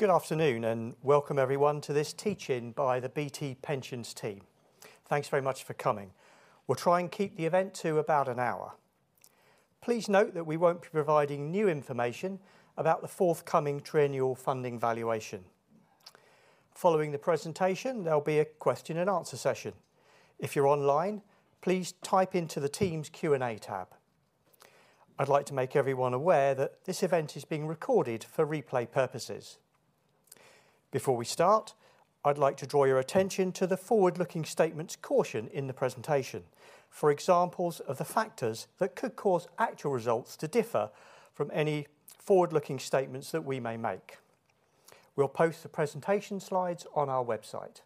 Good afternoon and welcome everyone to this teach-in by the BT Pensions team. Thanks very much for coming. We'll try and keep the event to about an hour. Please note that we won't be providing new information about the forthcoming triennial funding valuation. Following the presentation, there'll be a question and answer session. If you're online, please type into the team's Q&A tab. I'd like to make everyone aware that this event is being recorded for replay purposes. Before we start, I'd like to draw your attention to the forward-looking statements caution in the presentation for examples of the factors that could cause actual results to differ from any forward-looking statements that we may make. We'll post the presentation slides on our website.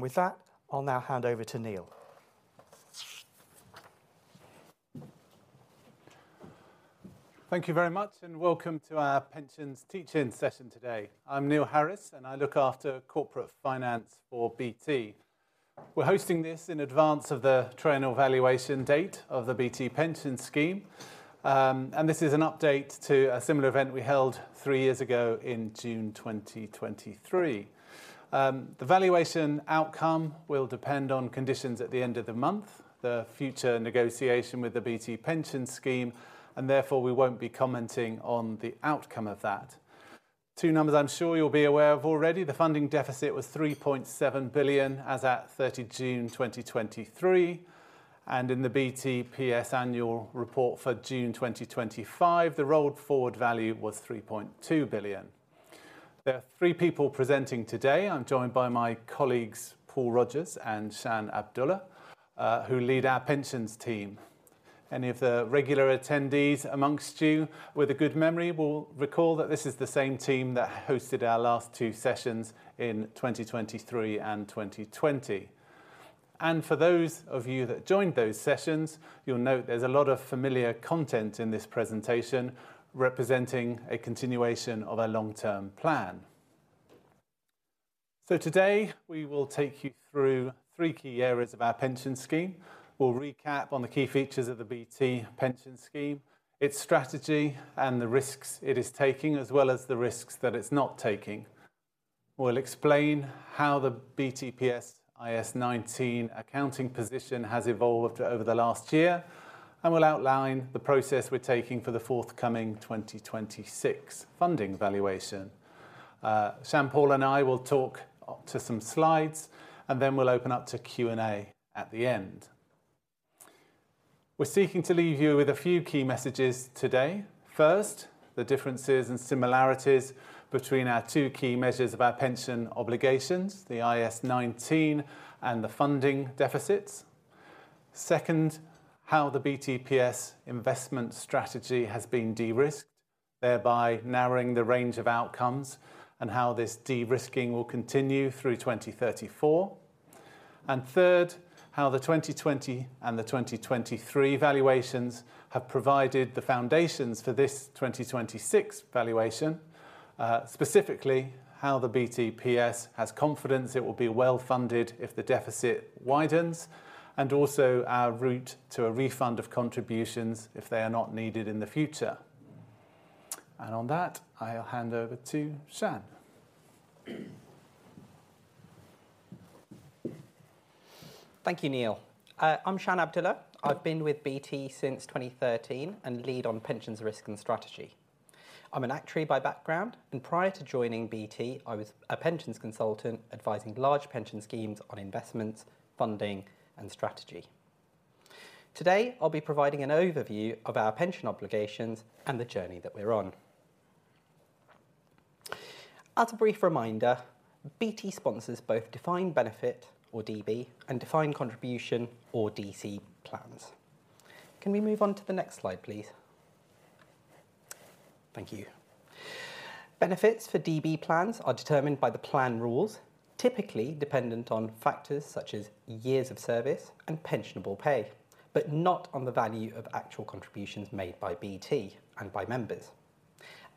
With that, I'll now hand over to Neil. Thank you very much, and welcome to our pensions teach-in session today. I'm Neil Harris, and I look after corporate finance for BT. We're hosting this in advance of the triennial valuation date of the BT Pension Scheme. This is an update to a similar event we held three years ago in June 2023. The valuation outcome will depend on conditions at the end of the month, the future negotiation with the BT Pension Scheme, and therefore we won't be commenting on the outcome of that. Two numbers I'm sure you'll be aware of already, the funding deficit was 3.7 billion as at 30 June 2023, and in the BTPS annual report for June 2025, the rolled forward value was 3.2 billion. There are three people presenting today. I'm joined by my colleagues, Paul Rogers and Shan Abdullah, who lead our pensions team. Any of the regular attendees amongst you with a good memory will recall that this is the same team that hosted our last two sessions in 2023 and 2020. For those of you that joined those sessions, you'll note there's a lot of familiar content in this presentation representing a continuation of a long-term plan. Today, we will take you through three key areas of our pension scheme. We'll recap on the key features of the BT Pension Scheme, its strategy, and the risks it is taking, as well as the risks that it's not taking. We'll explain how the BTPS IAS 19 accounting position has evolved over the last year, and we'll outline the process we're taking for the forthcoming 2026 funding valuation. Shan, Paul, and I will talk to some slides, and then we'll open up to Q&A at the end. We're seeking to leave you with a few key messages today. First, the differences and similarities between our two key measures of our pension obligations, the IAS 19 and the funding deficits. Second, how the BTPS investment strategy has been de-risked, thereby narrowing the range of outcomes and how this de-risking will continue through 2034. Third, how the 2020 and the 2023 valuations have provided the foundations for this 2026 valuation, specifically how the BTPS has confidence it will be well-funded if the deficit widens, and also our route to a refund of contributions if they are not needed in the future. On that, I'll hand over to Shan. Thank you, Neil. I'm Shan Abdullah. I've been with BT since 2013 and lead on pensions risk and strategy. I'm an actuary by background, and prior to joining BT, I was a pensions consultant advising large pension schemes on investments, funding, and strategy. Today, I'll be providing an overview of our pension obligations and the journey that we're on. As a brief reminder, BT sponsors both defined benefit, or DB, and defined contribution, or DC, plans. Can we move on to the next slide, please? Thank you. Benefits for DB plans are determined by the plan rules, typically dependent on factors such as years of service and pensionable pay, but not on the value of actual contributions made by BT and by members.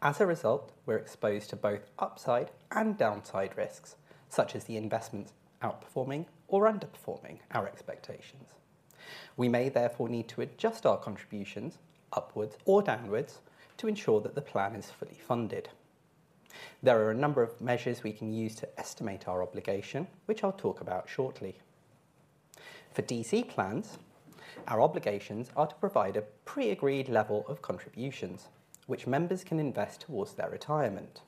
As a result, we're exposed to both upside and downside risks, such as the investments outperforming or underperforming our expectations. We may therefore need to adjust our contributions upwards or downwards to ensure that the plan is fully funded. There are a number of measures we can use to estimate our obligation, which I'll talk about shortly. For DC plans, our obligations are to provide a pre-agreed level of contributions which members can invest towards their retirement.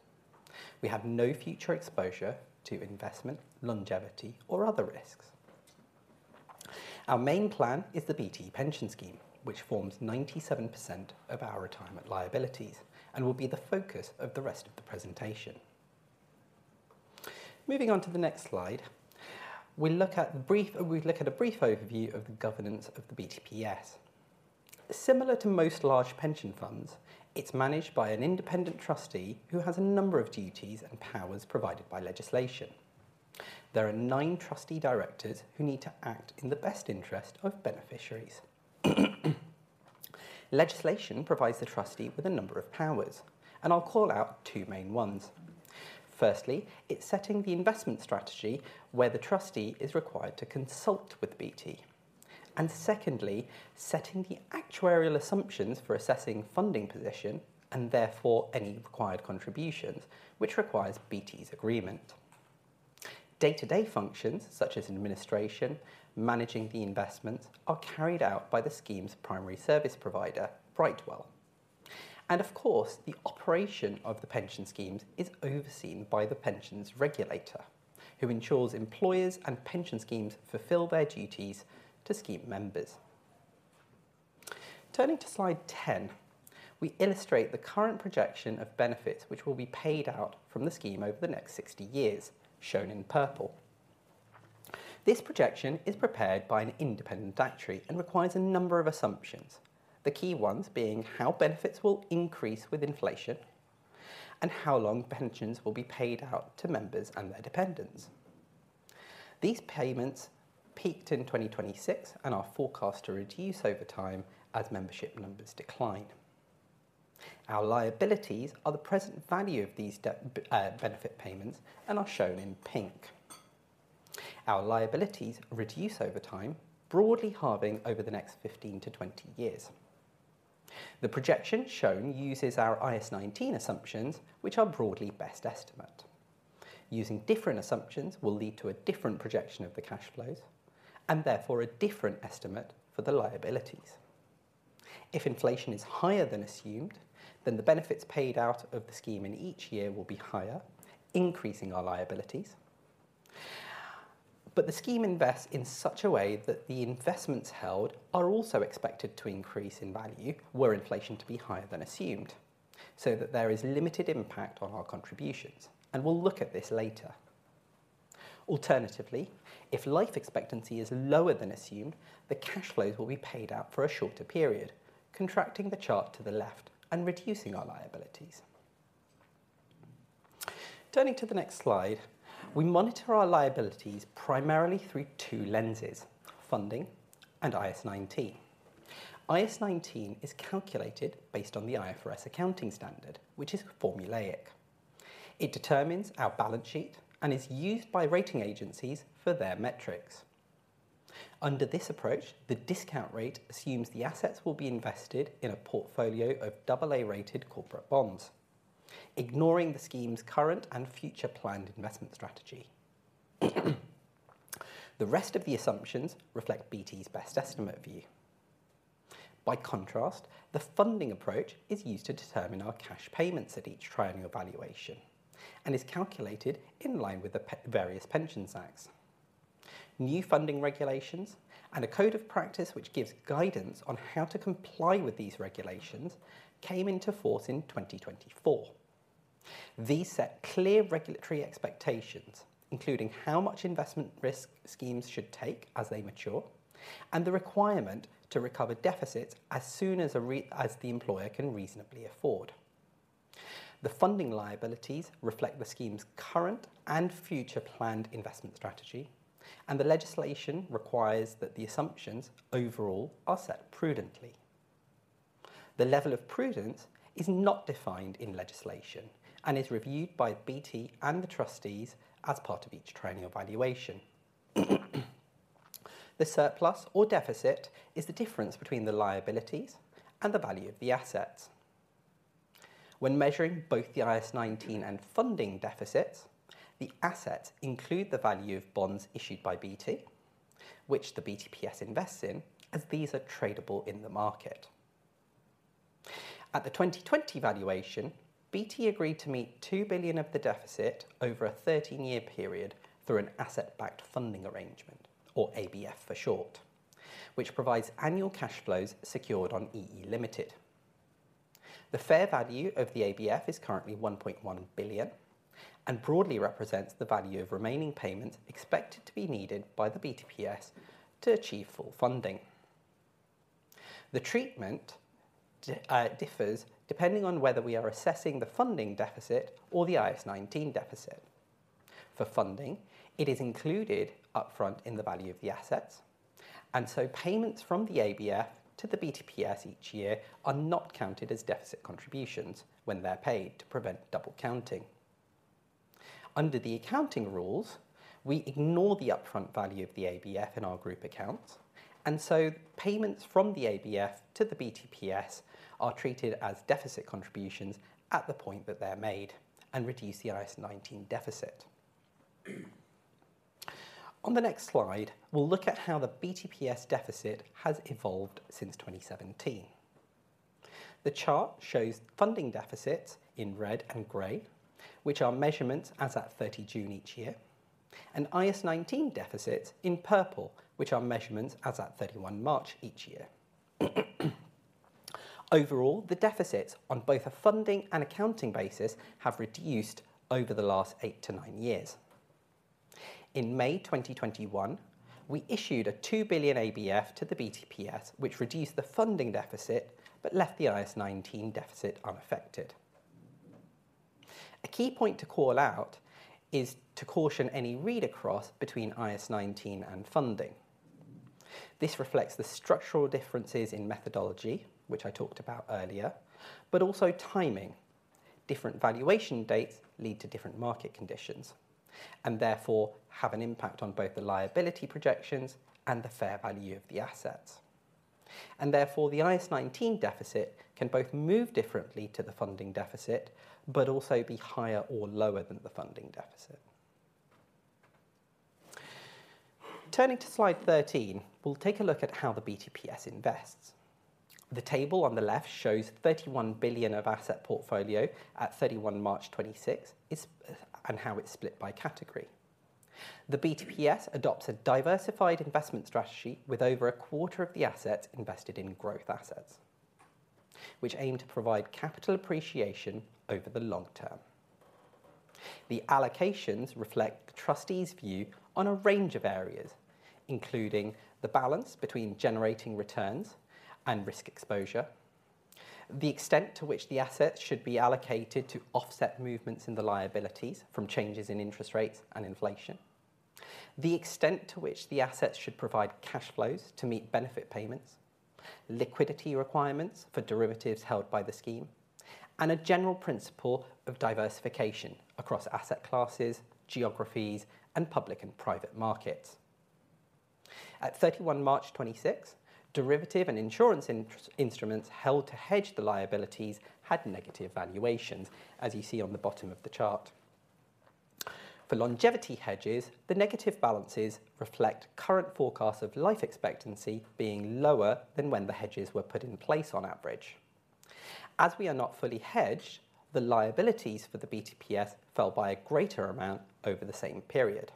We have no future exposure to investment, longevity, or other risks. Our main plan is the BT Pension Scheme, which forms 97% of our retirement liabilities and will be the focus of the rest of the presentation. Moving on to the next slide, we look at a brief overview of the governance of the BTPS. Similar to most large pension funds, it's managed by an independent trustee who has a number of duties and powers provided by legislation. There are nine trustee directors who need to act in the best interest of beneficiaries. Legislation provides the trustee with a number of powers, I'll call out two main ones. Firstly, it's setting the investment strategy where the trustee is required to consult with BT. Secondly, setting the actuarial assumptions for assessing funding position and therefore any required contributions, which requires BT's agreement. Day-to-day functions such as administration, managing the investments, are carried out by the scheme's primary service provider, Brightwell. Of course, the operation of the pension schemes is overseen by the pensions regulator, who ensures employers and pension schemes fulfill their duties to scheme members. Turning to slide 10, we illustrate the current projection of benefits which will be paid out from the scheme over the next 60 years, shown in purple. This projection is prepared by an independent actuary and requires a number of assumptions, the key ones being how benefits will increase with inflation and how long pensions will be paid out to members and their dependents. These payments peaked in 2026 and are forecast to reduce over time as membership numbers decline. Our liabilities are the present value of these benefit payments and are shown in pink. Our liabilities reduce over time, broadly halving over the next 15 to 20 years. The projection shown uses our IAS 19 assumptions which are broadly best estimate. Using different assumptions will lead to a different projection of the cash flows and therefore a different estimate for the liabilities. If inflation is higher than assumed, then the benefits paid out of the scheme in each year will be higher, increasing our liabilities. The scheme invests in such a way that the investments held are also expected to increase in value were inflation to be higher than assumed, so that there is limited impact on our contributions. We'll look at this later. Alternatively, if life expectancy is lower than assumed, the cash flows will be paid out for a shorter period, contracting the chart to the left and reducing our liabilities. Turning to the next slide, we monitor our liabilities primarily through two lenses, funding and IAS 19. IAS 19 is calculated based on the IFRS accounting standard, which is formulaic. It determines our balance sheet and is used by rating agencies for their metrics. Under this approach, the discount rate assumes the assets will be invested in a portfolio of double A-rated corporate bonds, ignoring the scheme's current and future planned investment strategy. The rest of the assumptions reflect BT's best estimate view. By contrast, the funding approach is used to determine our cash payments at each triennial valuation and is calculated in line with the various Pensions Acts. New funding regulations and a code of practice which gives guidance on how to comply with these regulations came into force in 2024. These set clear regulatory expectations, including how much investment risk schemes should take as they mature and the requirement to recover deficits as soon as the employer can reasonably afford. The funding liabilities reflect the scheme's current and future planned investment strategy, and the legislation requires that the assumptions overall are set prudently. The level of prudence is not defined in legislation and is reviewed by BT and the trustees as part of each triennial valuation. The surplus or deficit is the difference between the liabilities and the value of the assets. When measuring both the IAS 19 and funding deficits, the assets include the value of bonds issued by BT, which the BTPS invests in, as these are tradable in the market. At the 2020 valuation, BT agreed to meet 2 billion of the deficit over a 13-year period through an asset-backed funding arrangement, or ABF for short, which provides annual cash flows secured on EE Limited. The fair value of the ABF is currently 1.1 billion and broadly represents the value of remaining payments expected to be needed by the BTPS to achieve full funding. The treatment differs depending on whether we are assessing the funding deficit or the IAS 19 deficit. For funding, it is included upfront in the value of the assets, payments from the ABF to the BTPS each year are not counted as deficit contributions when they're paid to prevent double counting. Under the accounting rules, we ignore the upfront value of the ABF in our group accounts, payments from the ABF to the BTPS are treated as deficit contributions at the point that they're made and reduce the IAS 19 deficit. On the next slide, we'll look at how the BTPS deficit has evolved since 2017. The chart shows funding deficits in red and gray, which are measurements as at 30 June each year, and IAS 19 deficits in purple, which are measurements as at 31 March each year. Overall, the deficits on both a funding and accounting basis have reduced over the last eight to nine years. In May 2021, we issued a 2 billion ABF to the BTPS, which reduced the funding deficit but left the IAS 19 deficit unaffected. A key point to call out is to caution any read-across between IAS 19 and funding. This reflects the structural differences in methodology, which I talked about earlier, but also timing. Different valuation dates lead to different market conditions, and therefore have an impact on both the liability projections and the fair value of the assets. Therefore, the IAS 19 deficit can both move differently to the funding deficit, but also be higher or lower than the funding deficit. Turning to slide 13, we'll take a look at how the BTPS invests. The table on the left shows 31 billion of asset portfolio at 31 March 2026, and how it's split by category. The BTPS adopts a diversified investment strategy with over a quarter of the assets invested in growth assets, which aim to provide capital appreciation over the long term. The allocations reflect the trustees' view on a range of areas, including the balance between generating returns and risk exposure, the extent to which the assets should be allocated to offset movements in the liabilities from changes in interest rates and inflation, the extent to which the assets should provide cash flows to meet benefit payments, liquidity requirements for derivatives held by the scheme, and a general principle of diversification across asset classes, geographies, and public and private markets. At 31 March 2026, derivative and insurance instruments held to hedge the liabilities had negative valuations, as you see on the bottom of the chart. For longevity hedges, the negative balances reflect current forecasts of life expectancy being lower than when the hedges were put in place on average. As we are not fully hedged, the liabilities for the BTPS fell by a greater amount over the same period.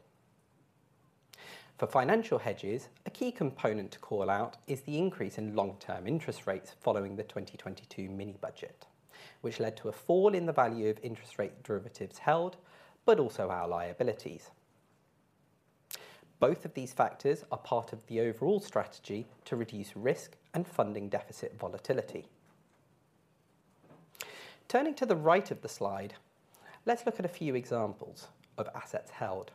For financial hedges, a key component to call out is the increase in long-term interest rates following the 2022 mini budget, which led to a fall in the value of interest rate derivatives held, but also our liabilities. Both of these factors are part of the overall strategy to reduce risk and funding deficit volatility. Turning to the right of the slide, let's look at a few examples of assets held.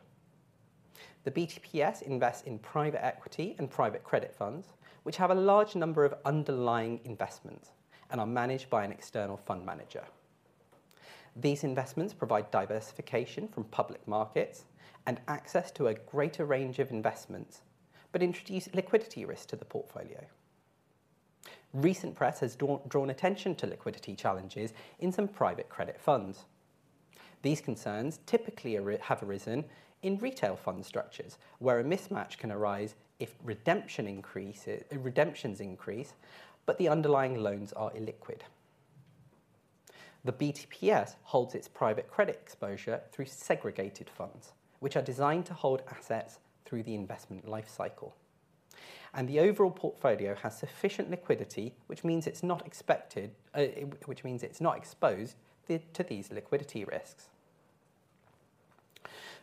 The BTPS invests in private equity and private credit funds, which have a large number of underlying investments and are managed by an external fund manager. These investments provide diversification from public markets and access to a greater range of investments but introduce liquidity risk to the portfolio. Recent press has drawn attention to liquidity challenges in some private credit funds. These concerns typically have arisen in retail fund structures, where a mismatch can arise if redemptions increase, but the underlying loans are illiquid. The BTPS holds its private credit exposure through segregated funds, which are designed to hold assets through the investment life cycle, and the overall portfolio has sufficient liquidity, which means it's not exposed to these liquidity risks.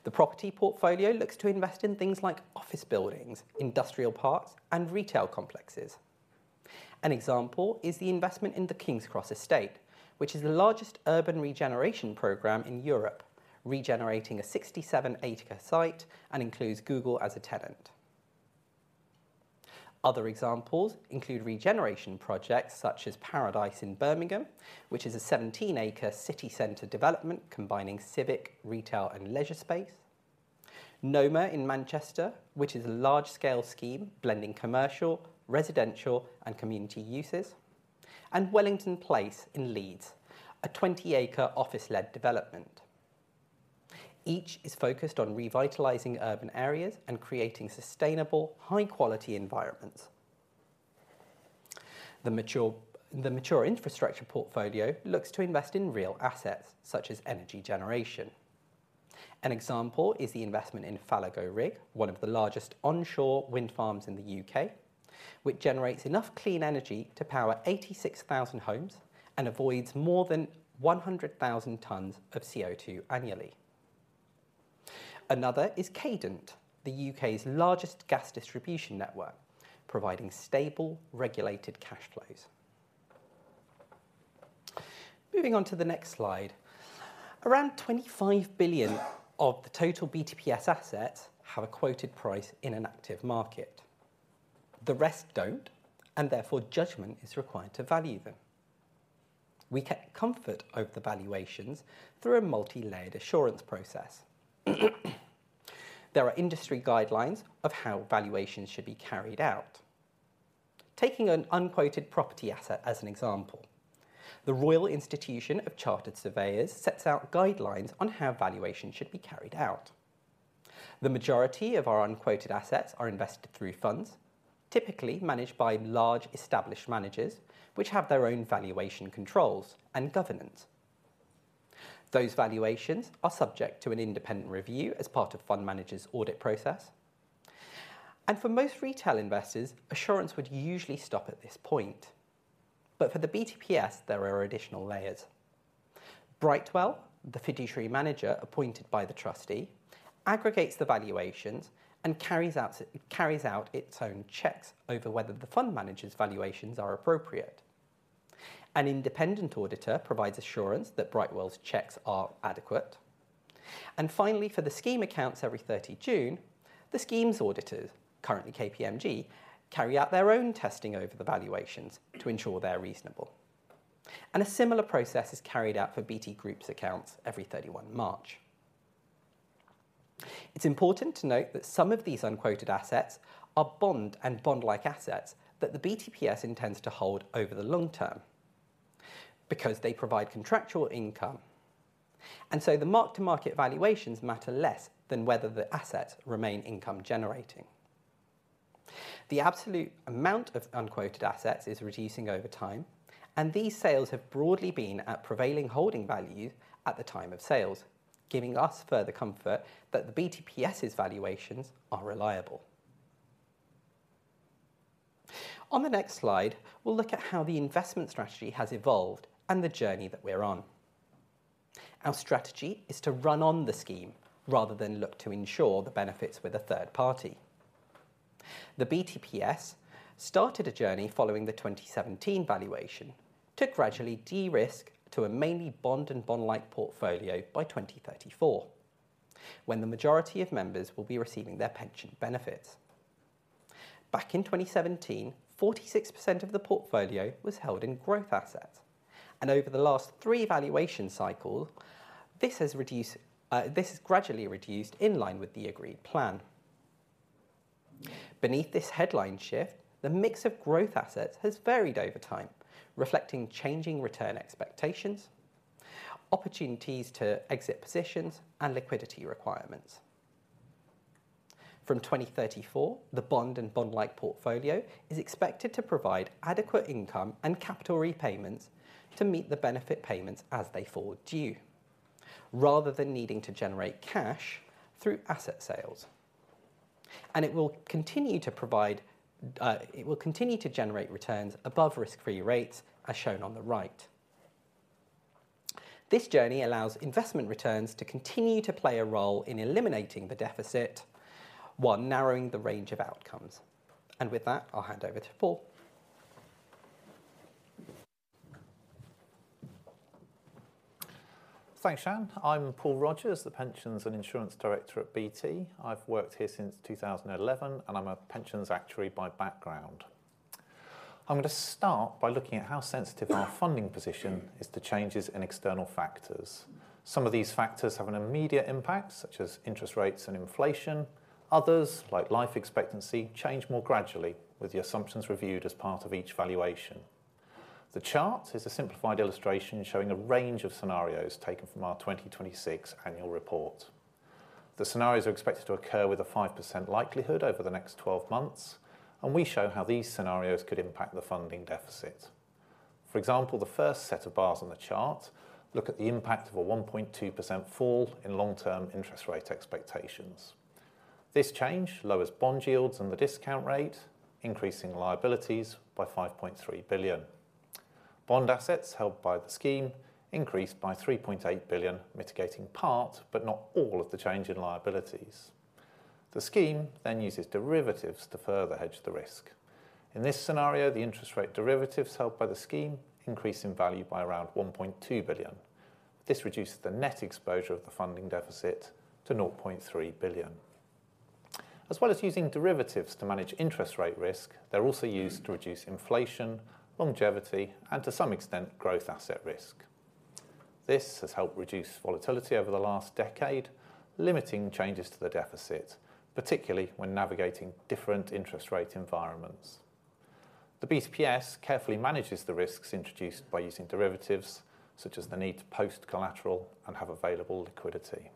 The property portfolio looks to invest in things like office buildings, industrial parks, and retail complexes. An example is the investment in the King's Cross Estate, which is the largest urban regeneration program in Europe, regenerating a 67-acre site and includes Google as a tenant. Other examples include regeneration projects such as Paradise in Birmingham, which is a 17-acre city center development combining civic, retail, and leisure space, NOMA in Manchester, which is a large-scale scheme blending commercial, residential, and community uses, and Wellington Place in Leeds, a 20-acre office-led development. Each is focused on revitalizing urban areas and creating sustainable, high-quality environments. The mature infrastructure portfolio looks to invest in real assets such as energy generation. An example is the investment in Fallago Rig, one of the largest onshore wind farms in the U.K., which generates enough clean energy to power 86,000 homes and avoids more than 100,000 tons of CO2 annually. Another is Cadent, the U.K.'s largest gas distribution network, providing stable, regulated cash flows. Moving on to the next slide. Around 25 billion of the total BTPS assets have a quoted price in an active market. The rest don't, and therefore judgment is required to value them. We get comfort over the valuations through a multi-layered assurance process. There are industry guidelines of how valuations should be carried out. Taking an unquoted property asset as an example, the Royal Institution of Chartered Surveyors sets out guidelines on how valuations should be carried out. The majority of our unquoted assets are invested through funds, typically managed by large, established managers, which have their own valuation controls and governance. Those valuations are subject to an independent review as part of fund manager's audit process. For most retail investors, assurance would usually stop at this point. For the BTPS, there are additional layers. Brightwell, the fiduciary manager appointed by the trustee, aggregates the valuations and carries out its own checks over whether the fund manager's valuations are appropriate. An independent auditor provides assurance that Brightwell's checks are adequate. Finally, for the scheme accounts every 30 June, the scheme's auditors, currently KPMG, carry out their own testing over the valuations to ensure they're reasonable. A similar process is carried out for BT Group's accounts every 31 March. It's important to note that some of these unquoted assets are bond and bond-like assets that the BTPS intends to hold over the long term because they provide contractual income, and so the market-to-market valuations matter less than whether the assets remain income generating. The absolute amount of unquoted assets is reducing over time, and these sales have broadly been at prevailing holding value at the time of sales, giving us further comfort that the BTPS's valuations are reliable. On the next slide, we'll look at how the investment strategy has evolved and the journey that we're on. Our strategy is to run on the scheme rather than look to insure the benefits with a third party. The BTPS started a journey following the 2017 valuation to gradually de-risk to a mainly bond and bond-like portfolio by 2034, when the majority of members will be receiving their pension benefits. Back in 2017, 46% of the portfolio was held in growth assets, and over the last three valuation cycle, this has gradually reduced in line with the agreed plan. Beneath this headline shift, the mix of growth assets has varied over time, reflecting changing return expectations, opportunities to exit positions, and liquidity requirements. From 2034, the bond and bond-like portfolio is expected to provide adequate income and capital repayments to meet the benefit payments as they fall due, rather than needing to generate cash through asset sales. It will continue to generate returns above risk-free rates, as shown on the right. This journey allows investment returns to continue to play a role in eliminating the deficit while narrowing the range of outcomes. With that, I'll hand over to Paul. Thanks, Shan. I'm Paul Rogers, the pensions and insurance director at BT. I've worked here since 2011, and I'm a pensions actuary by background. I'm going to start by looking at how sensitive our funding position is to changes in external factors. Some of these factors have an immediate impact, such as interest rates and inflation. Others, like life expectancy, change more gradually with the assumptions reviewed as part of each valuation. The chart is a simplified illustration showing a range of scenarios taken from our 2026 annual report. The scenarios are expected to occur with a 5% likelihood over the next 12 months, and we show how these scenarios could impact the funding deficit. For example, the first set of bars on the chart look at the impact of a 1.2% fall in long-term interest rate expectations. This change lowers bond yields and the discount rate, increasing liabilities by 5.3 billion. Bond assets held by the scheme increase by 3.8 billion, mitigating part, but not all of the change in liabilities. The scheme then uses derivatives to further hedge the risk. In this scenario, the interest rate derivatives held by the scheme increase in value by around 1.2 billion. This reduces the net exposure of the funding deficit to 0.3 billion. As well as using derivatives to manage interest rate risk, they're also used to reduce inflation, longevity, and to some extent, growth asset risk. This has helped reduce volatility over the last decade, limiting changes to the deficit, particularly when navigating different interest rate environments. The BTPS carefully manages the risks introduced by using derivatives, such as the need to post collateral and have available liquidity.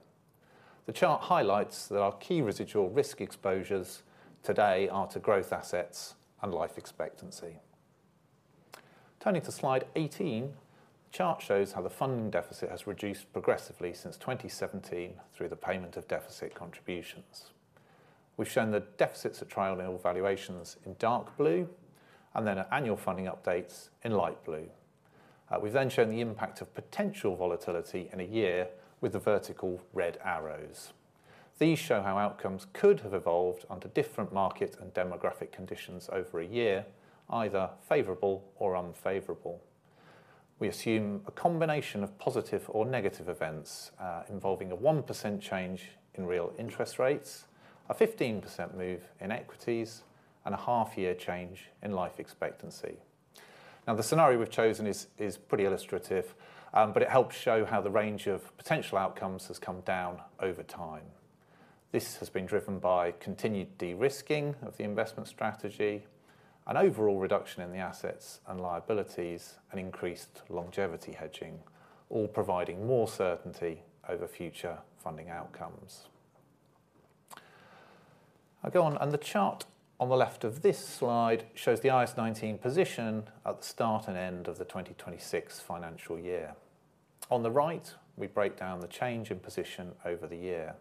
The chart highlights that our key residual risk exposures today are to growth assets and life expectancy. Turning to slide 18, the chart shows how the funding deficit has reduced progressively since 2017 through the payment of deficit contributions. We've shown the deficits at triennial valuations in dark blue, and then at annual funding updates in light blue. We've then shown the impact of potential volatility in a year with the vertical red arrows. These show how outcomes could have evolved under different market and demographic conditions over a year, either favorable or unfavorable. We assume a combination of positive or negative events, involving a 1% change in real interest rates, a 15% move in equities, and a half year change in life expectancy. The scenario we've chosen is pretty illustrative, but it helps show how the range of potential outcomes has come down over time. This has been driven by continued de-risking of the investment strategy, an overall reduction in the assets and liabilities, and increased longevity hedging, all providing more certainty over future funding outcomes. I go on. The chart on the left of this slide shows the IAS 19 position at the start and end of the 2026 financial year. On the right, we break down the change in position over the year.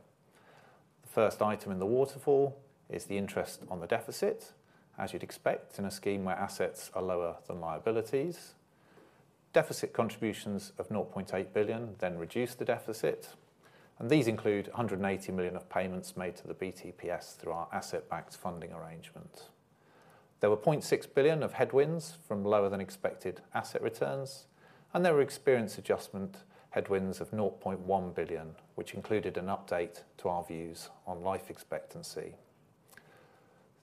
The first item in the waterfall is the interest on the deficit, as you'd expect in a scheme where assets are lower than liabilities. Deficit contributions of 0.8 billion then reduce the deficit, and these include 180 million of payments made to the BTPS through our asset-backed funding arrangement. There were 0.6 billion of headwinds from lower than expected asset returns, and there were experience adjustment headwinds of 0.1 billion, which included an update to our views on life expectancy.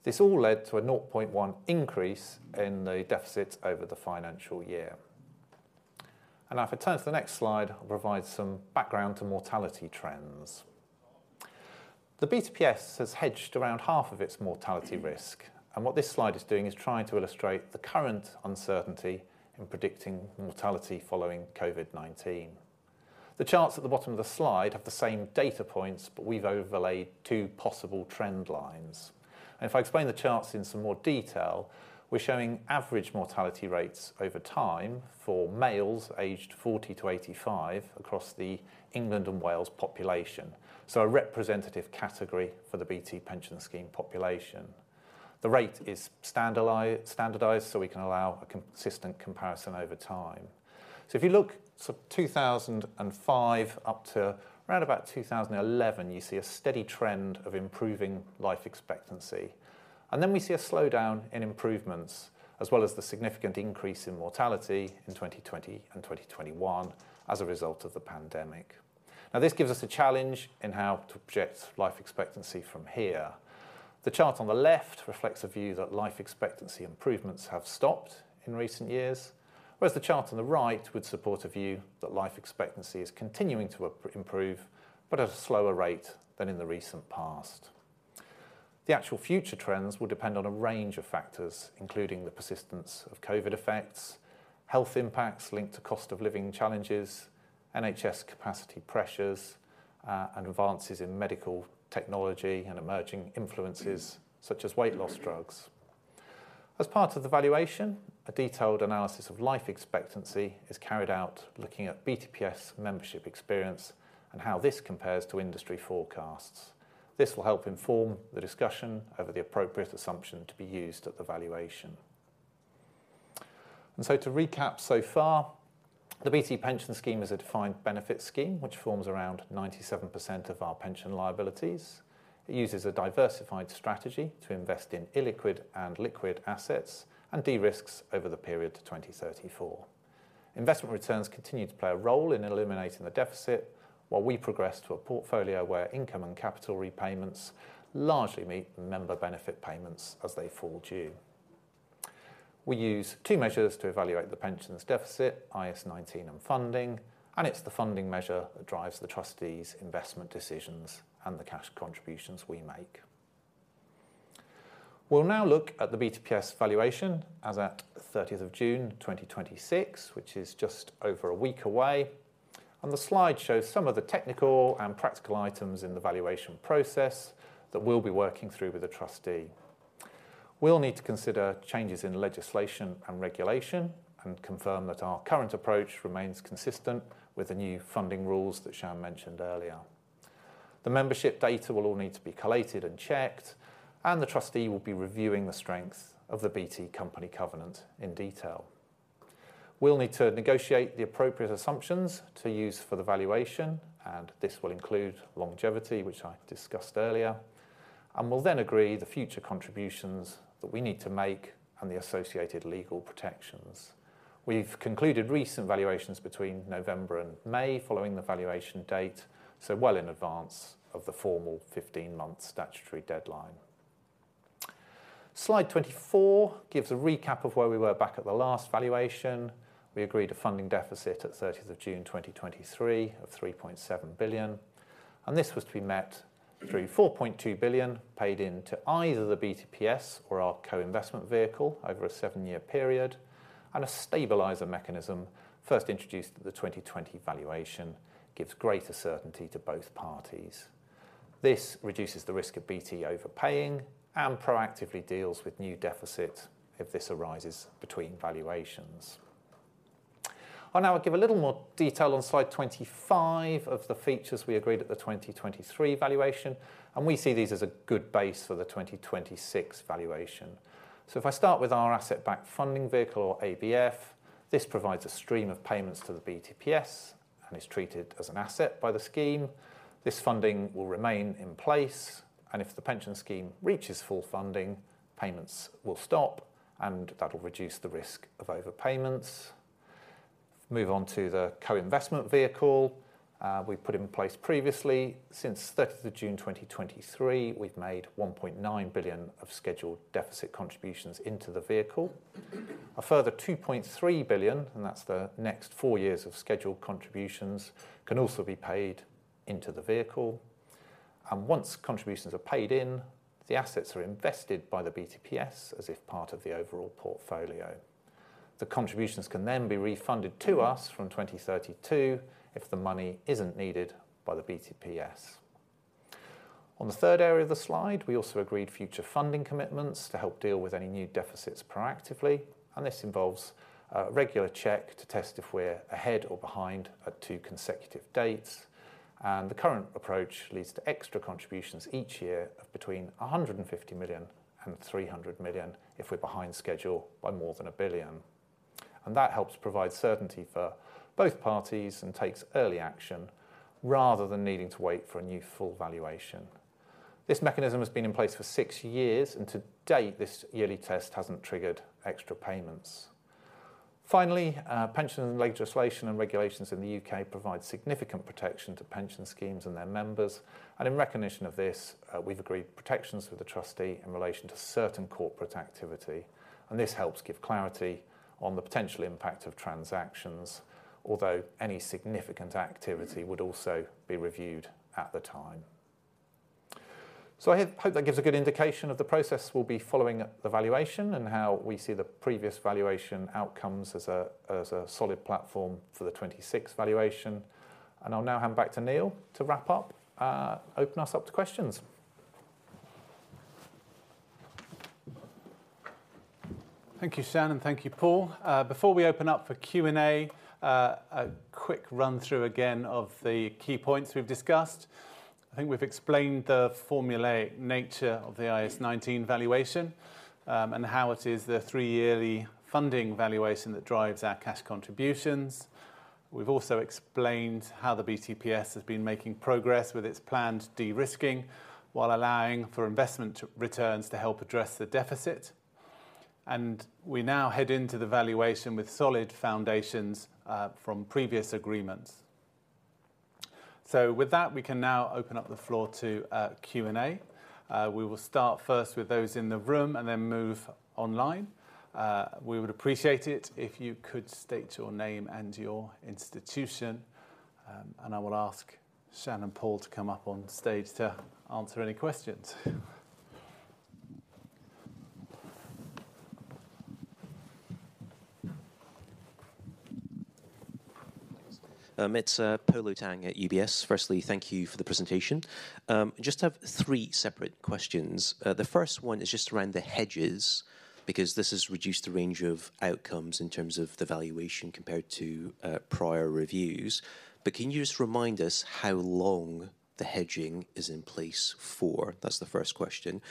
This all led to a 0.1 increase in the deficit over the financial year. Now if I turn to the next slide, I'll provide some background to mortality trends. The BTPS has hedged around half of its mortality risk, and what this slide is doing is trying to illustrate the current uncertainty in predicting mortality following COVID-19. The charts at the bottom of the slide have the same data points, but we've overlaid two possible trend lines. If I explain the charts in some more detail, we're showing average mortality rates over time for males aged 40 to 85 across the England and Wales population, so a representative category for the BT Pension Scheme population. The rate is standardized so we can allow a consistent comparison over time. If you look 2005 up to around about 2011, you see a steady trend of improving life expectancy. Then we see a slowdown in improvements, as well as the significant increase in mortality in 2020 and 2021 as a result of the pandemic. This gives us a challenge in how to project life expectancy from here. The chart on the left reflects a view that life expectancy improvements have stopped in recent years, whereas the chart on the right would support a view that life expectancy is continuing to improve, but at a slower rate than in the recent past. The actual future trends will depend on a range of factors, including the persistence of COVID effects, health impacts linked to cost of living challenges, NHS capacity pressures, and advances in medical technology and emerging influences such as weight loss drugs. As part of the valuation, a detailed analysis of life expectancy is carried out looking at BTPS membership experience and how this compares to industry forecasts. This will help inform the discussion over the appropriate assumption to be used at the valuation. To recap so far, the BT Pension Scheme is a defined benefit scheme which forms around 97% of our pension liabilities. It uses a diversified strategy to invest in illiquid and liquid assets and de-risks over the period to 2034. Investment returns continue to play a role in eliminating the deficit while we progress to a portfolio where income and capital repayments largely meet member benefit payments as they fall due. We use two measures to evaluate the pensions deficit, IAS 19 and funding, and it's the funding measure that drives the trustees' investment decisions and the cash contributions we make. We'll now look at the BTPS valuation as at the 30th of June 2026, which is just over a week away. The slide shows some of the technical and practical items in the valuation process that we'll be working through with the trustee. We'll need to consider changes in legislation and regulation and confirm that our current approach remains consistent with the new funding rules that Shan mentioned earlier. The membership data will all need to be collated and checked. The trustee will be reviewing the strength of the BT company covenant in detail. We'll need to negotiate the appropriate assumptions to use for the valuation. This will include longevity, which I discussed earlier. We'll then agree the future contributions that we need to make and the associated legal protections. We've concluded recent valuations between November and May following the valuation date, so well in advance of the formal 15-month statutory deadline. Slide 24 gives a recap of where we were back at the last valuation. We agreed a funding deficit at 30th of June 2023 of 3.7 billion. This was to be met through 4.2 billion paid into either the BTPS or our co-investment vehicle over a seven-year period. A stabiliser mechanism first introduced at the 2020 valuation gives greater certainty to both parties. This reduces the risk of BT overpaying and proactively deals with new deficits if this arises between valuations. I'll now give a little more detail on slide 25 of the features we agreed at the 2023 valuation. We see these as a good base for the 2026 valuation. If I start with our asset-backed funding vehicle, or ABF, this provides a stream of payments to the BTPS and is treated as an asset by the scheme. This funding will remain in place. If the pension scheme reaches full funding, payments will stop, and that'll reduce the risk of overpayments. Move on to the co-investment vehicle we've put in place previously. Since 30th of June 2023, we've made 1.9 billion of scheduled deficit contributions into the vehicle. A further 2.3 billion, and that's the next four years of scheduled contributions, can also be paid into the vehicle. Once contributions are paid in, the assets are invested by the BTPS as if part of the overall portfolio. The contributions can then be refunded to us from 2032 if the money isn't needed by the BTPS. On the third area of the slide, we also agreed future funding commitments to help deal with any new deficits proactively. This involves a regular check to test if we're ahead or behind at two consecutive dates. The current approach leads to extra contributions each year of between 150 million and 300 million if we're behind schedule by more than 1 billion. That helps provide certainty for both parties and takes early action rather than needing to wait for a new full valuation. This mechanism has been in place for six years. To date, this yearly test hasn't triggered extra payments. Finally, pension legislation and regulations in the U.K. provide significant protection to pension schemes and their members. In recognition of this, we've agreed protections with the trustee in relation to certain corporate activity. This helps give clarity on the potential impact of transactions. Although any significant activity would also be reviewed at the time. I hope that gives a good indication of the process we'll be following at the valuation and how we see the previous valuation outcomes as a solid platform for the 2026 valuation. I'll now hand back to Neil to wrap up, open us up to questions. Thank you, Shan, and thank you, Paul. Before we open up for Q&A, a quick run-through again of the key points we've discussed. I think we've explained the formulaic nature of the IAS 19 valuation, and how it is the three-yearly funding valuation that drives our cash contributions. We've also explained how the BTPS has been making progress with its planned de-risking while allowing for investment returns to help address the deficit. We now head into the valuation with solid foundations from previous agreements. With that, we can now open up the floor to Q&A. We will start first with those in the room and then move online. We would appreciate if you could state your name and your institution. I will ask Shan and Paul to come up on stage to answer any questions. It's Polo Tang at UBS. Firstly, thank you for the presentation. Just have three separate questions. The first one is just around the hedges, because this has reduced the range of outcomes in terms of the valuation compared to prior reviews. Can you just remind us how long the hedging is in place for? That's the first question.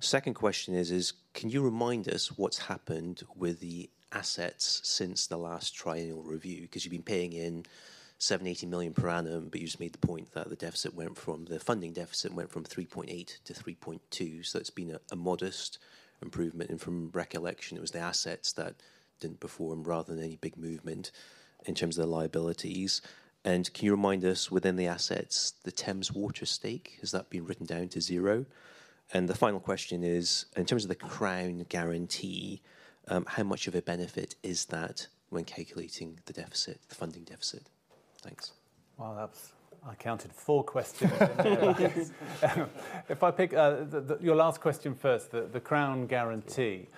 Second question is, can you remind us what's happened with the assets since the last triennial valuation? Because you've been paying in 780 million per annum, but you just made the point that the funding deficit went from 3.8 billion to 3.2 billion, so it's been a modest improvement. From recollection, it was the assets that didn't perform rather than any big movement in terms of the liabilities. Can you remind us, within the assets, the Thames Water stake, has that been written down to zero? The final question is, in terms of the Crown guarantee, how much of a benefit is that when calculating the funding deficit? Thanks. Wow, I counted 4 questions in there. If I pick your last question first, the Crown guarantee.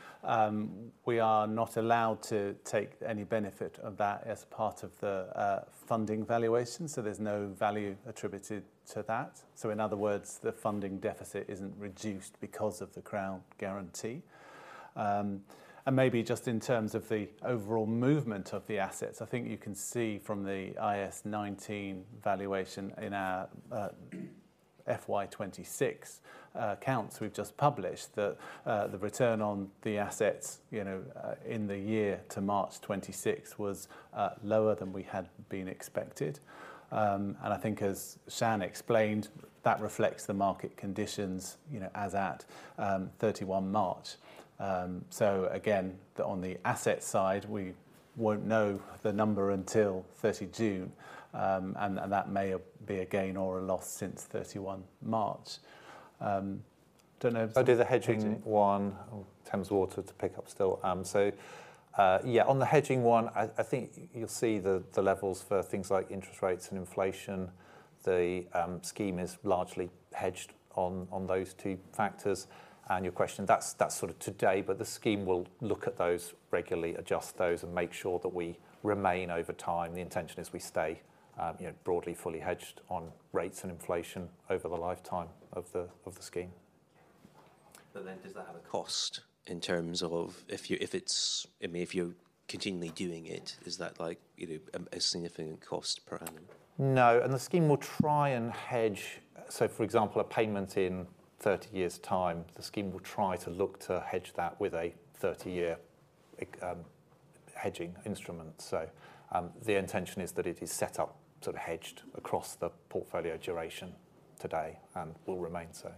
We are not allowed to take any benefit of that as part of the funding valuation, so there's no value attributed to that. In other words, the funding deficit isn't reduced because of the Crown guarantee. Maybe just in terms of the overall movement of the assets, I think you can see from the IAS 19 valuation in our FY 2026 accounts we've just published, that the return on the assets in the year to March 2026 was lower than we had been expected. I think as Shan explained, that reflects the market conditions as at 31 March. Again, on the asset side, we won't know the number until 30 June, and that may be a gain or a loss since 31 March. I'll do the hedging one. Thames Water to pick up still. Yeah, on the hedging one, I think you'll see the levels for things like interest rates and inflation. The scheme is largely hedged on those two factors. Your question, that's sort of today, but the scheme will look at those regularly, adjust those, and make sure that we remain over time. The intention is we stay broadly fully hedged on rates and inflation over the lifetime of the scheme. Does that have a cost in terms of if you're continually doing it, is that a significant cost per annum? No, the scheme will try and hedge for example, a payment in 30 years' time, the scheme will try to look to hedge that with a 30-year hedging instrument. The intention is that it is set up sort of hedged across the portfolio duration today and will remain so.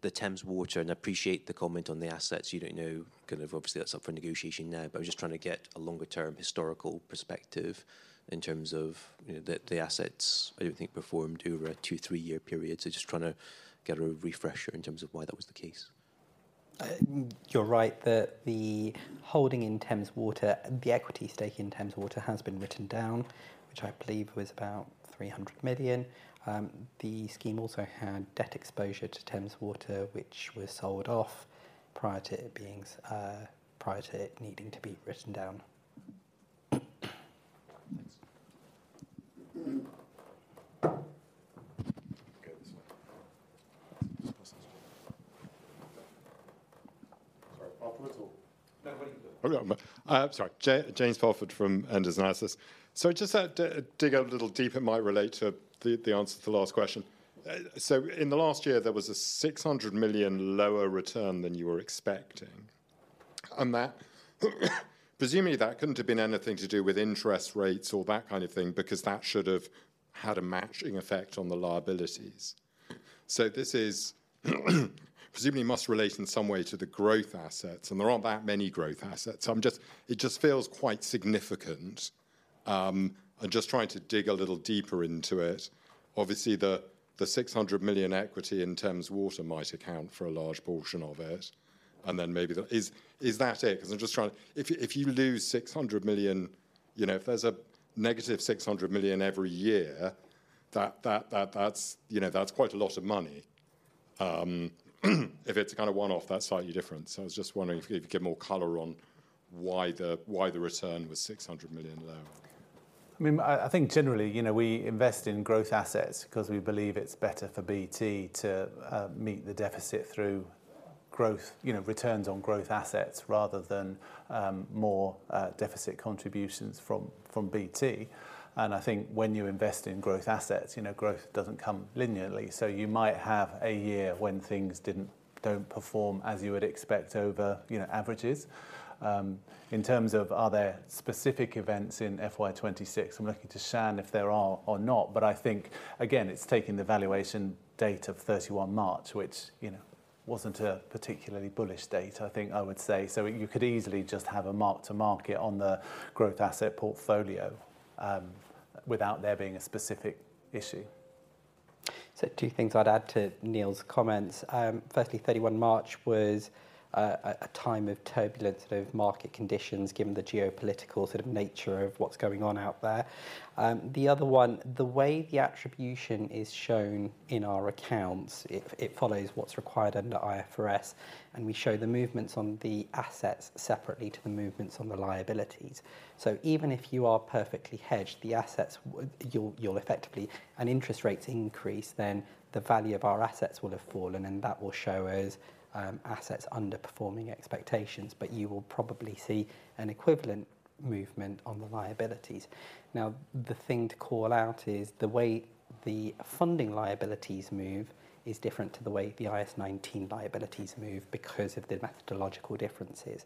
The Thames Water, I appreciate the comment on the assets, you don't know, obviously that's up for negotiation now, but I was just trying to get a longer-term historical perspective in terms of the assets, I don't think performed over a two, three-year period. Just trying to get a refresher in terms of why that was the case. You're right. The holding in Thames Water, the equity stake in Thames Water has been written down, which I believe was about 300 million. The scheme also had debt exposure to Thames Water, which was sold off prior to it needing to be written down. Thanks. Go this way. Sorry. James Fulford. No, why don't you do it? Oh, yeah. I'm sorry. James Fulford from Enders Analysis. Just to dig a little deeper, it might relate to the answer to the last question. In the last year, there was a 600 million lower return than you were expecting. That presumably couldn't have been anything to do with interest rates or that kind of thing, because that should have had a matching effect on the liabilities. This is presumably must relate in some way to the growth assets, and there aren't that many growth assets. It just feels quite significant. I'm just trying to dig a little deeper into it. Obviously, the 600 million equity in Thames Water might account for a large portion of it. Then maybe, is that it? Because if you lose 600 million, if there's a negative 600 million every year, that's quite a lot of money. If it's a kind of one-off, that's slightly different. I was just wondering if you could give more color on why the return was 600 million lower. I think generally, we invest in growth assets because we believe it's better for BT to meet the deficit through returns on growth assets rather than more deficit contributions from BT. I think when you invest in growth assets, growth doesn't come linearly. You might have a year when things don't perform as you would expect over averages. In terms of, are there specific events in FY 2026? I'm looking to Shan if there are or not. I think, again, it's taking the valuation date of 31 March, which wasn't a particularly bullish date, I think I would say. You could easily just have a mark to market on the growth asset portfolio without there being a specific issue. Two things I'd add to Neil's comments. Firstly, 31 March was a time of turbulent sort of market conditions, given the geopolitical sort of nature of what's going on out there. The other one, the way the attribution is shown in our accounts, it follows what's required under IFRS, and we show the movements on the assets separately to the movements on the liabilities. Even if you are perfectly hedged, and interest rates increase, then the value of our assets will have fallen, and that will show as assets underperforming expectations. You will probably see an equivalent movement on the liabilities. The thing to call out is the way the funding liabilities move is different to the way the IAS 19 liabilities move because of the methodological differences.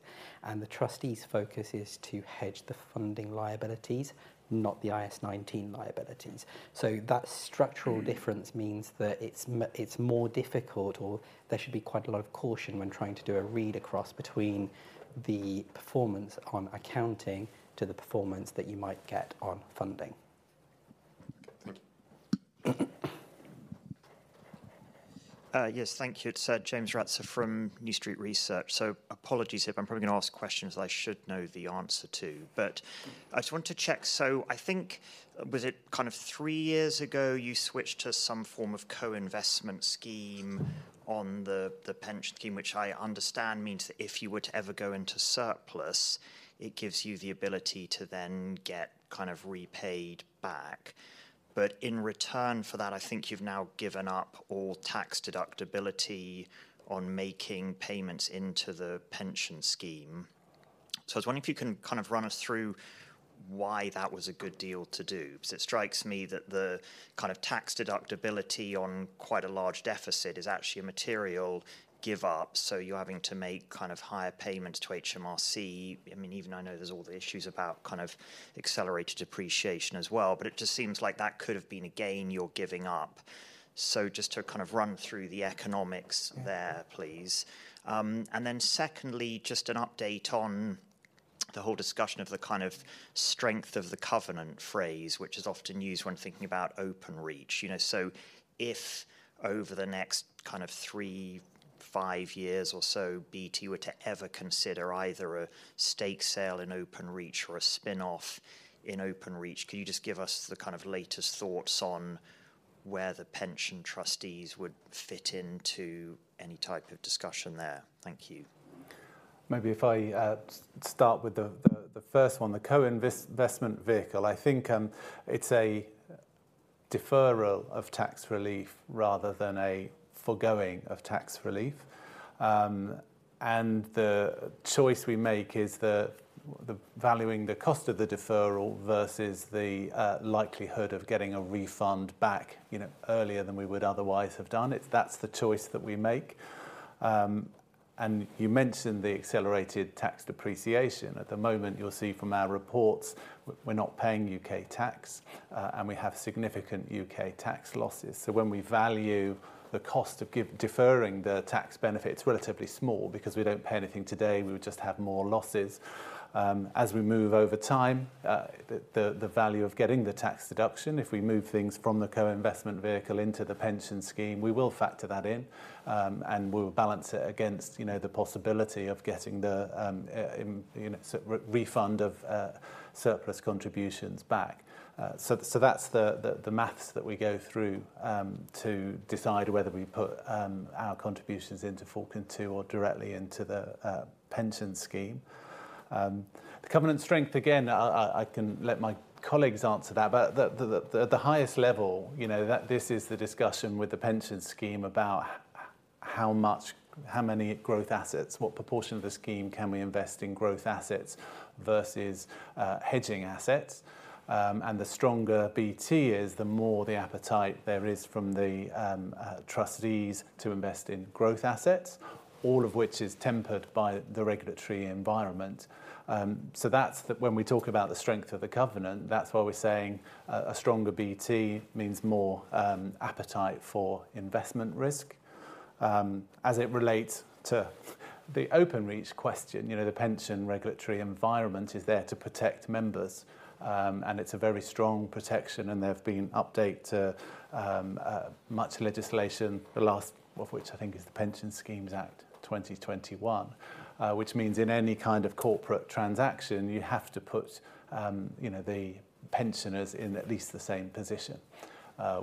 The trustees' focus is to hedge the funding liabilities, not the IAS 19 liabilities. That structural difference means that it's more difficult, or there should be quite a lot of caution when trying to do a read across between the performance on accounting to the performance that you might get on funding. Thank you. Yes. Thank you, sir. James Ratzer from New Street Research. Apologies if I'm probably going to ask questions that I should know the answer to. I just want to check, I think, was it kind of three years ago you switched to some form of co-investment scheme on the pension scheme, which I understand means that if you were to ever go into surplus, it gives you the ability to then get kind of repaid back. In return for that, I think you've now given up all tax deductibility on making payments into the pension scheme. I was wondering if you can kind of run us through why that was a good deal to do. It strikes me that the kind of tax deductibility on quite a large deficit is actually a material give-up, you're having to make higher payments to HMRC. Even I know there's all the issues about kind of accelerated depreciation as well, but it just seems like that could have been a gain you're giving up. Just to kind of run through the economics there, please. Secondly, just an update on the whole discussion of the kind of strength of the covenant phrase, which is often used when thinking about Openreach. If over the next kind of three, five years or so, BT were to ever consider either a stake sale in Openreach or a spinoff in Openreach, can you just give us the kind of latest thoughts on where the pension trustees would fit into any type of discussion there? Thank you. Maybe if I start with the first one, the co-investment vehicle. I think it's a deferral of tax relief rather than a foregoing of tax relief. The choice we make is the valuing the cost of the deferral versus the likelihood of getting a refund back earlier than we would otherwise have done. That's the choice that we make. You mentioned the accelerated tax depreciation. At the moment, you'll see from our reports, we're not paying U.K. tax, and we have significant U.K. tax losses. When we value the cost of deferring the tax benefit, it's relatively small because we don't pay anything today. We would just have more losses. As we move over time, the value of getting the tax deduction, if we move things from the co-investment vehicle into the pension scheme, we will factor that in, and we'll balance it against the possibility of getting the refund of surplus contributions back. That's the maths that we go through to decide whether we put our contributions into co-investment vehicle or directly into the pension scheme. The covenant strength, again, I can let my colleagues answer that. At the highest level, this is the discussion with the pension scheme about how many growth assets, what proportion of the scheme can we invest in growth assets versus hedging assets? The stronger BT is, the more the appetite there is from the trustees to invest in growth assets, all of which is tempered by the regulatory environment. That's when we talk about the strength of the covenant, that's why we're saying a stronger BT means more appetite for investment risk. As it relates to the Openreach question, the pension regulatory environment is there to protect members, and it's a very strong protection, and there have been update to much legislation, the last of which I think is the Pension Schemes Act 2021, which means in any kind of corporate transaction, you have to put the pensioners in at least the same position,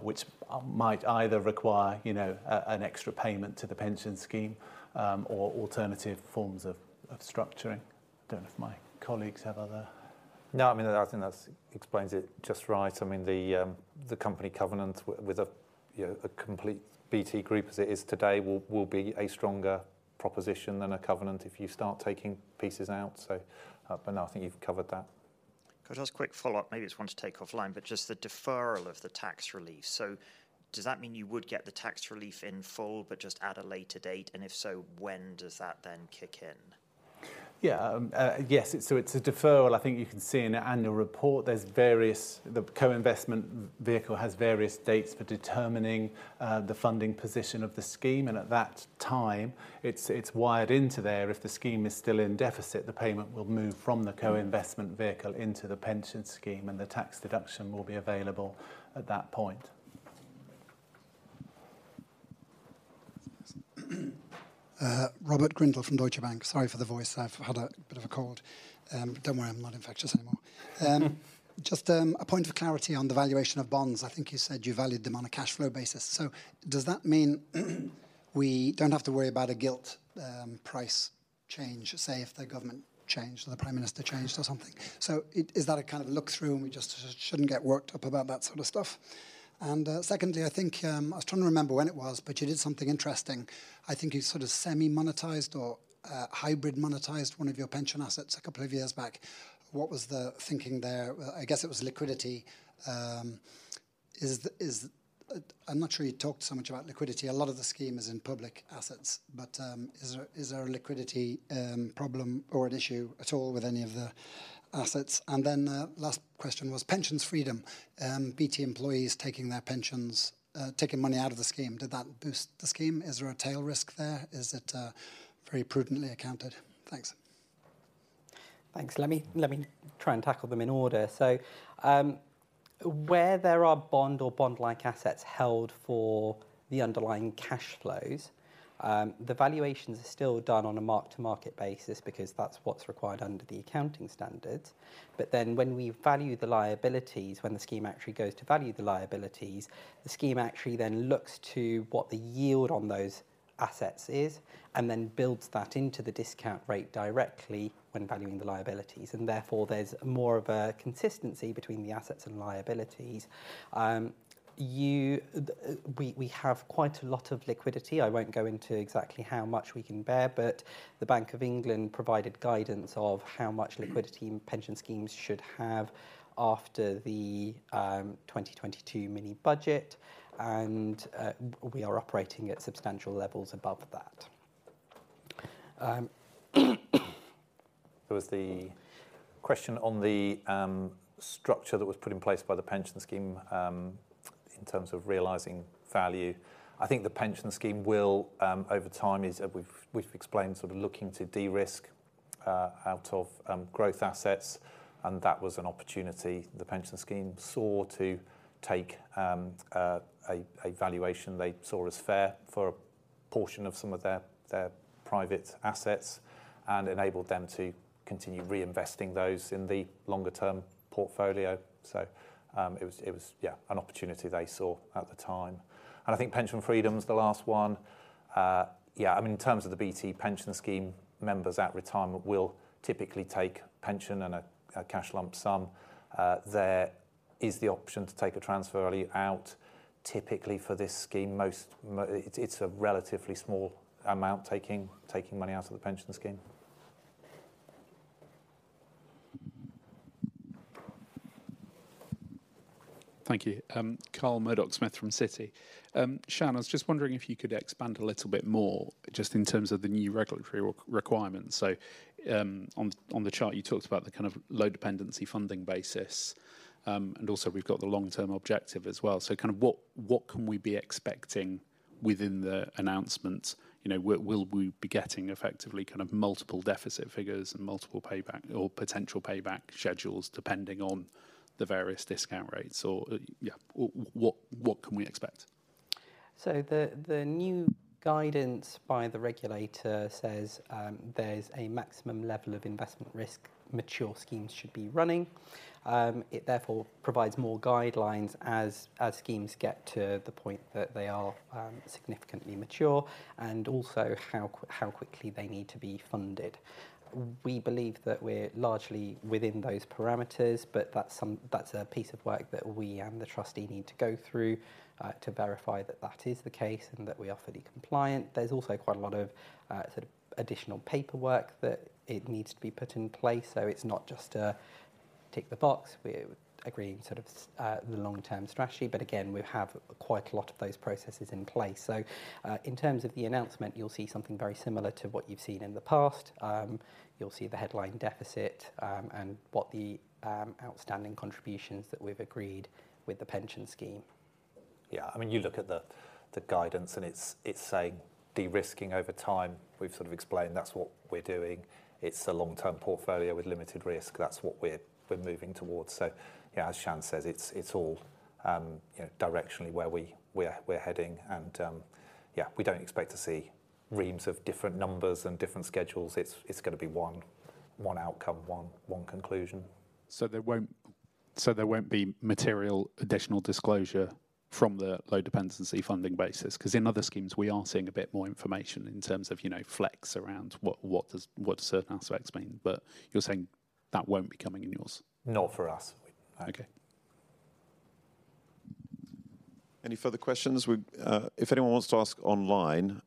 which might either require an extra payment to the pension scheme or alternative forms of structuring. I think that explains it just right. The company covenant with a complete BT Group as it is today will be a stronger proposition than a covenant if you start taking pieces out. I think you've covered that. Could I just quick follow-up, maybe this one to take offline, but just the deferral of the tax relief. Does that mean you would get the tax relief in full but just at a later date? If so, when does that then kick in? Yeah. Yes, it's a deferral. I think you can see in the annual report, the co-investment vehicle has various dates for determining the funding position of the scheme, at that time, it's wired into there. If the scheme is still in deficit, the payment will move from the co-investment vehicle into the pension scheme, the tax deduction will be available at that point. Robert Grindle from Deutsche Bank. Sorry for the voice. I've had a bit of a cold. Don't worry, I'm not infectious anymore. Just a point of clarity on the valuation of bonds. I think you said you valued them on a cash flow basis. Does that mean we don't have to worry about a gilt price change, say, if the government changed or the Prime Minister changed or something? Is that a kind of look-through and we just shouldn't get worked up about that sort of stuff? Secondly, I think, I was trying to remember when it was, but you did something interesting. I think you semi-monetized or hybrid monetized one of your pension assets a couple of years back. What was the thinking there? I guess it was liquidity. I'm not sure you talked so much about liquidity. A lot of the Scheme is in public assets. Is there a liquidity problem or an issue at all with any of the assets? Last question was pension freedoms. BT employees taking their pensions, taking money out of the Scheme. Did that boost the Scheme? Is there a tail risk there? Is it very prudently accounted? Thanks. Thanks. Let me try and tackle them in order. Where there are bond or bond-like assets held for the underlying cash flows, the valuations are still done on a mark to market basis because that's what's required under the accounting standards. When we value the liabilities, when the Scheme actually goes to value the liabilities, the Scheme actually then looks to what the yield on those assets is and then builds that into the discount rate directly when valuing the liabilities. There's more of a consistency between the assets and liabilities. We have quite a lot of liquidity. I won't go into exactly how much we can bear, but the Bank of England provided guidance of how much liquidity pension schemes should have after the 2022 mini budget, and we are operating at substantial levels above that. There was the question on the structure that was put in place by the Pension Scheme in terms of realizing value. I think the Pension Scheme will, over time, as we've explained, looking to de-risk out of growth assets, and that was an opportunity the Pension Scheme saw to take a valuation they saw as fair for a portion of some of their private assets and enabled them to continue reinvesting those in the longer-term portfolio. It was an opportunity they saw at the time. I think pension freedoms the last one. In terms of the BT Pension Scheme, members at retirement will typically take pension and a cash lump sum. There is the option to take a transfer early out. Typically, for this Scheme, it's a relatively small amount taking money out of the Pension Scheme. Thank you. Carl Murdock-Smith from Citi. Shan, I was just wondering if you could expand a little bit more just in terms of the new regulatory requirements. On the chart, you talked about the low dependency funding basis, and also we've got the long-term objective as well. What can we be expecting within the announcements? Will we be getting effectively multiple deficit figures and multiple payback or potential payback schedules depending on the various discount rates? What can we expect? The new guidance by the regulator says there's a maximum level of investment risk mature schemes should be running. It therefore provides more guidelines as schemes get to the point that they are significantly mature and also how quickly they need to be funded. We believe that we're largely within those parameters, but that's a piece of work that we and the trustee need to go through to verify that that is the case and that we are fully compliant. There's also quite a lot of additional paperwork that it needs to be put in place. It's not just a tick the box. We're agreeing the long-term strategy, but again, we have quite a lot of those processes in place. In terms of the announcement, you'll see something very similar to what you've seen in the past. You'll see the headline deficit, and what the outstanding contributions that we've agreed with the pension scheme. Yeah. You look at the guidance and it's saying de-risking over time. We've explained that's what we're doing. It's a long-term portfolio with limited risk. That's what we're moving towards. As Shan says, it's all directionally where we're heading and, yeah, we don't expect to see reams of different numbers and different schedules. It's going to be one outcome, one conclusion. There won't be material additional disclosure from the low dependency funding basis? Because in other schemes, we are seeing a bit more information in terms of flex around what certain aspects mean. You're saying that won't be coming in yours? Not for us. Okay. Any further questions? If anyone wants to ask online,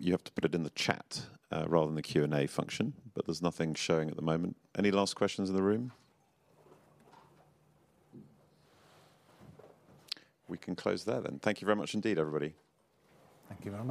you have to put it in the chat, rather than the Q&A function, but there's nothing showing at the moment. Any last questions in the room? We can close there then. Thank you very much indeed, everybody. Thank you very much.